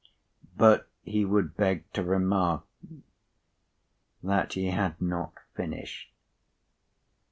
But he would beg to remark that he had not finished.